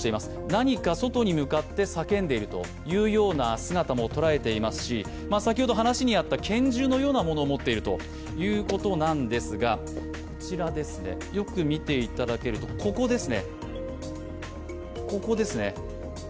何か外に向かって叫んでいるというような姿も捉えていますし先ほど話にあった拳銃のようなものを持っているということですが、よく見ていただけると、ここですね。